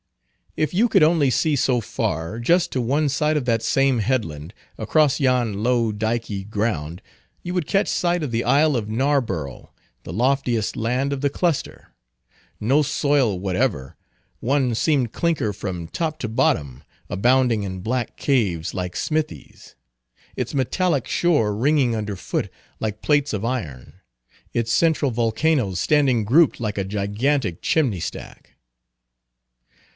If you could only see so far, just to one side of that same headland, across yon low dikey ground, you would catch sight of the isle of Narborough, the loftiest land of the cluster; no soil whatever; one seamed clinker from top to bottom; abounding in black caves like smithies; its metallic shore ringing under foot like plates of iron; its central volcanoes standing grouped like a gigantic chimney stack.